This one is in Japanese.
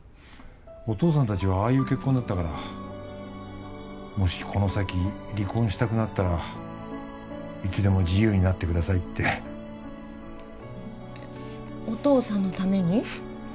お父さん達はああいう結婚だったからもしこの先離婚したくなったらいつでも自由になってくださいってお父さんのために？